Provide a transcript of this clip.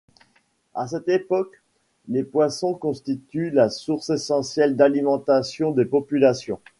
A cette époque, les poissons constituent la source essentielle d'alimentation des populations.